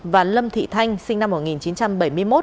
và lâm thị thanh sinh năm một nghìn chín trăm bảy mươi một